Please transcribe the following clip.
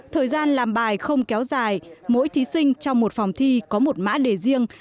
thời gian làm bài không kéo dài mỗi thí sinh trong một phòng thi có một mã đề riêng